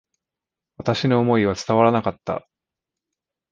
私の思いは伝わらなかった。